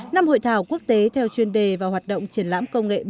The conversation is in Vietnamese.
năm hội thảo quốc tế theo chuyên đề và hoạt động triển lãm công nghệ bốn